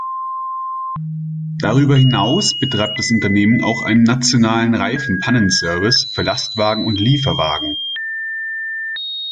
Darüber hinaus betreibt das Unternehmen auch einen nationalen Reifen-Pannenservice für Lastwagen und Lieferwagen.